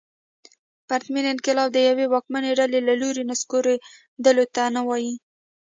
پرتمین انقلاب د یوې واکمنې ډلې له لوري نسکورولو ته نه وايي.